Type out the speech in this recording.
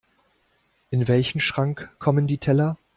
In welchen Schrank kommen die Teller?